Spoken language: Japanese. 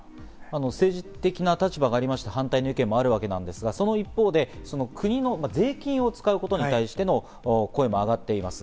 政治的な立場がありまして、反対の意見もあるわけですが、その一方で国の税金を使うことに対しての声もあがっています。